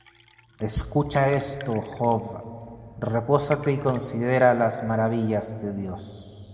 Escucha esto, Job; Repósate, y considera las maravillas de Dios.